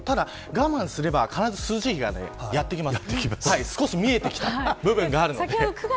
がまんすれば必ず涼しい日がやってきます。